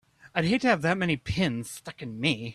I'd hate to have that many pins stuck in me!